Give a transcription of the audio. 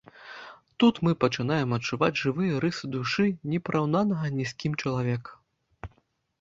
Тут мы пачынаем адчуваць жывыя рысы душы не параўнанага ні з кім чалавека.